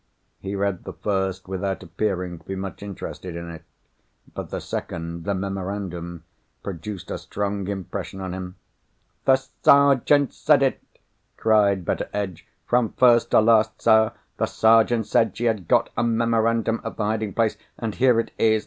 He read the first without appearing to be much interested in it. But the second—the memorandum—produced a strong impression on him. "The Sergeant said it!" cried Betteredge. "From first to last, sir, the Sergeant said she had got a memorandum of the hiding place. And here it is!